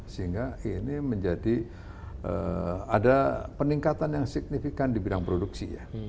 sehingga ini menjadi ada peningkatan yang signifikan di bidang produksi ya